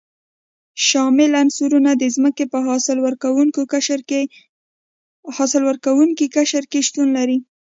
شامل عنصرونه د ځمکې په حاصل ورکوونکي قشر کې شتون لري.